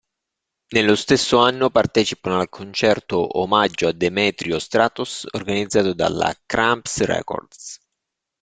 Nello stesso anno partecipano al concerto "Omaggio a Demetrio Stratos" organizzato dalla Cramps Records.